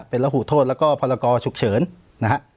เป็นระหูโทษแล้วก็พรกรฉุกเฉินนะฮะ